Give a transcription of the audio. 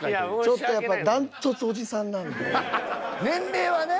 ちょっとやっぱ年齢はね。